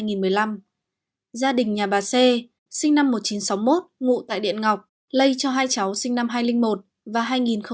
gia đình nhà bà c sinh năm một nghìn chín trăm sáu mươi một ngụ tại điện ngọc lây cho hai cháu sinh năm hai nghìn một và hai nghìn một mươi